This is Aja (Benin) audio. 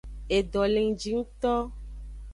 Edo le ngji ngto.